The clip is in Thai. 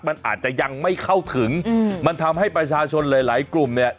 มันอาจจะยังไม่เข้าถึงอืมมันทำให้ประชาชนหลายหลายกลุ่มเนี่ย